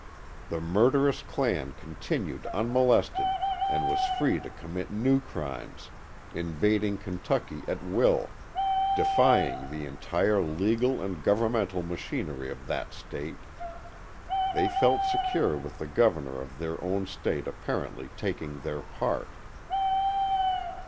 The murderous clan continued unmolested and was free to commit new crimes, invading Kentucky at will, defying the entire legal and governmental machinery of that State. They felt secure with the governor of their own state apparently taking their part.